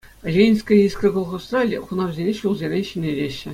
«Ленинская искра» колхозра хунавсене ҫулсерен ҫӗнетеҫҫӗ.